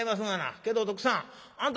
「けど徳さんあんた